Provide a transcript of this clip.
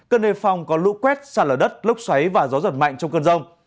cần đề phòng có lũ quét sạt lở đất lốc xoáy và gió giật mạnh trong cơn rông